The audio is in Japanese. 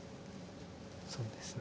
そうですね。